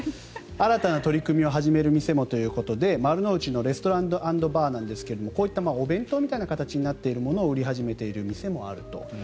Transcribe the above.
新たな取り組みを始める場所もということで丸の内のレストランバーなんですがこういったお弁当みたいな形になっているものを売り始めている店もあると。